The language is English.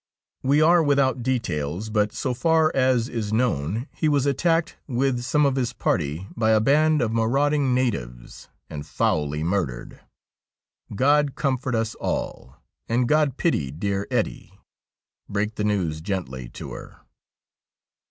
We are without details, but so far as is known he was attacked, with some of his party, by a band of marauding natives, and foully murdered. God comfort us all, and God pity dear Ettie! Break the news gently to her.'